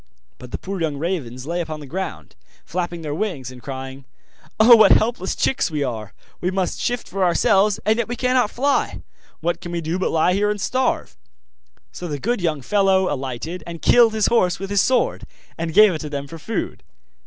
But the poor young ravens lay upon the ground, flapping their wings, and crying: 'Oh, what helpless chicks we are! We must shift for ourselves, and yet we cannot fly! What can we do, but lie here and starve?' So the good young fellow alighted and killed his horse with his sword, and gave it to them for food.